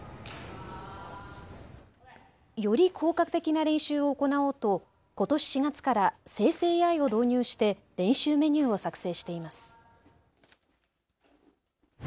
より効果的な練習を行おうとことし４月から生成ＡＩを導入して練習メニューを作成しています。